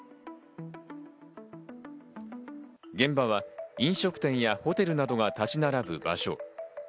現場は飲食店やホテルなどが立ち並ぶ場所。